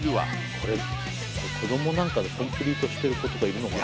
これ子どもなんかでコンプリートしてる子とかいるのかな。